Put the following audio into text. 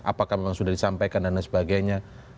apakah memang sudah disampaikan dan lain sebagainya